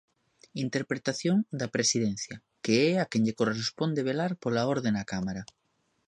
Interpretación da Presidencia, que é a quen lle corresponde velar pola orde na Cámara.